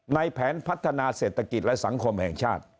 แผนพัฒนาเศรษฐกิจและสังคมแห่งชาติ